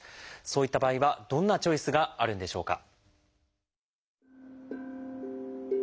そういった場合はどんなチョイスがあるんでしょうか？